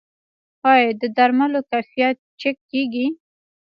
آیا د درملو کیفیت چک کیږي؟